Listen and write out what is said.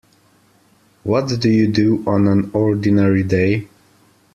What do you do on an ordinary day?